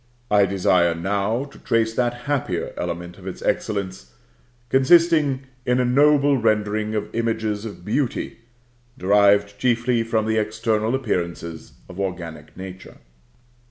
I desire now to trace that happier element of its excellence, consisting in a noble rendering of images of Beauty, derived chiefly from the external appearances of organic nature.